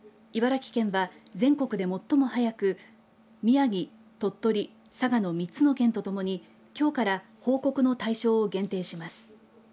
茨城県は全国で最も早く宮城、鳥取、佐賀の３つの県とともに、きょうから報告の対象を限定します。